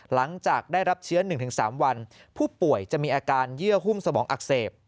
หลังจากได้รับเชื้อ๑๓วันผู้ป่วยจะมีอาการเยื่อหุ้มสมองอักเสบ